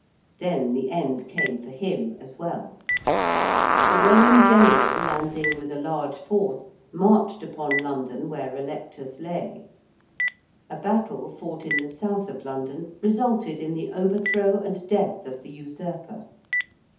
Then the end came for him as well. The Roman general landing with a large force marched upon London where Allectus lay. A battle fought in the south of London resulted in the overthrow and death of the usurper.